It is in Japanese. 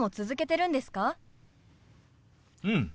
うん。